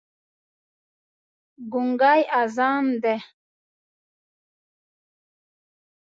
ګونګی اذان دی